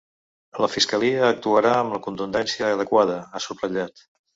La fiscalia actuarà amb la contundència adequada, ha subratllat.